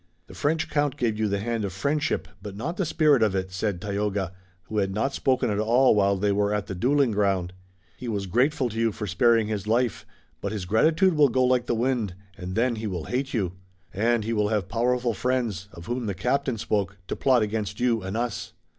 "The French count gave you the hand of friendship, but not the spirit of it," said Tayoga, who had not spoken at all while they were at the dueling ground. "He was grateful to you for sparing his life, but his gratitude will go like the wind, and then he will hate you. And he will have the powerful friends, of whom the captain spoke, to plot against you and us."